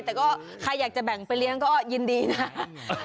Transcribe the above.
แต่ก็ใครอยากจะแบ่งไปเลี้ยงก็ยินดีนะครับ